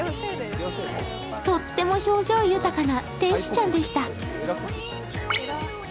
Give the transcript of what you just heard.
とっても表情豊かな天使ちゃんでした。